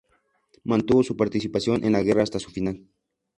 Mantuvo su participación en la guerra hasta su final.